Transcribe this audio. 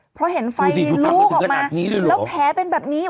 เพราะเห็นไฟลุกออกมาแล้วแผลเป็นแบบนี้